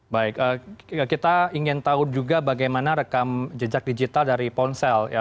baik kita ingin tahu juga bagaimana rekam jejak digital dari ponsel